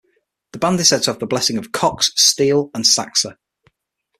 The band is said to have the blessing of Cox, Steele and Saxa.